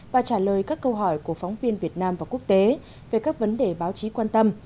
và trả lời các câu hỏi của phóng viên việt nam và quốc tế về các vấn đề báo chí quan tâm